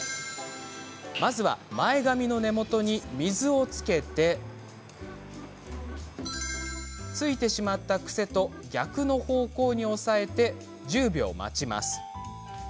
まずは前髪の根元に水をつけてついてしまった癖と逆の方向に押さえて１０秒、待ちます。